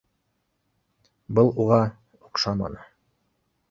Был уға оҡшаманы